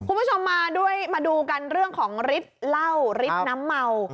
คุณผู้ชมมาด้วยมาดูกันเรื่องของฤทธิ์เหล้าฤทธิ์น้ำเมา